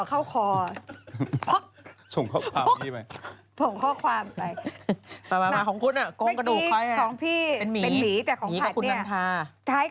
เขาบอกว่าที่ประเทศชิน